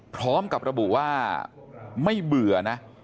พร้อมกับระบุว่าไม่เบื่อนะ